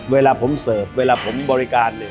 เวลาผมเสิร์ฟเวลาผมบริการ